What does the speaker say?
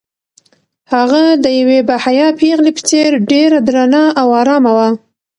هغه د یوې باحیا پېغلې په څېر ډېره درنه او ارامه وه.